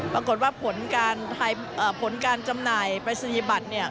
ปรากฏว่าผลการจำหน่ายปริศนียบัตร